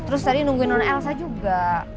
terus tadi nungguin non elsa juga